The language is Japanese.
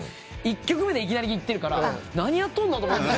１曲目でいきなり行ってるから「何やっとんの？」と思って。